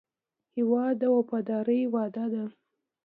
هېواد د وفادارۍ وعده ده.